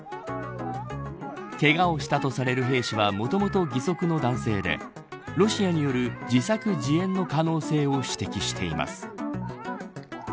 けがをしたとされる兵士はもともと義足の男性でロシアによる自作自演の可能性を指摘しています。